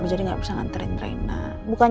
ah sus nggak usah